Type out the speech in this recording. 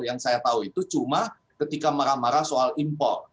yang saya tahu itu cuma ketika marah marah soal impor